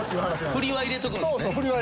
振りは入れとくんですね。